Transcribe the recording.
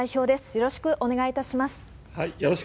よろしくお願いします。